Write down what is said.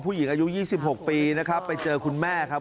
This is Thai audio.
ผู้หญิงอายุ๒๖ปีนะครับไปเจอคุณแม่ครับ